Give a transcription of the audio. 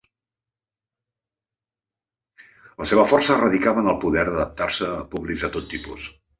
La seva força radicava en el poder d'adaptar-se a públics de tot tipus.